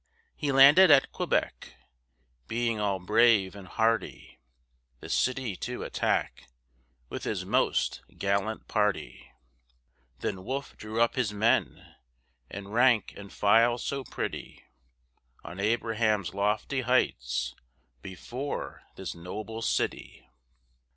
He landed at Quebec, Being all brave and hearty; The city to attack, With his most gallant party. Then Wolfe drew up his men, In rank and file so pretty, On Abraham's lofty heights, Before this noble city.